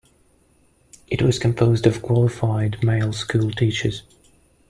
It was composed of qualified male school teachers.